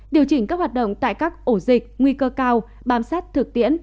điều chỉnh các hoạt động tại các ổ dịch nguy cơ cao bám sát thực tiễn